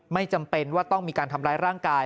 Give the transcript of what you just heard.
ไม่จำเป็นว่าต้องมีการทำร้ายร่างกาย